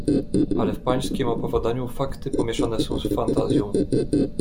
"Ale w pańskiem opowiadaniu fakty pomieszane są z fantazją."